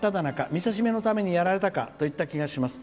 見せしめのためにやられたかといった気がします。